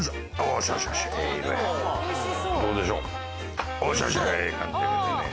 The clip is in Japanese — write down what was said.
どうでしょう。